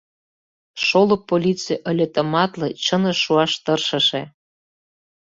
Шолып полиций ыле тыматле, чыныш шуаш тыршыше.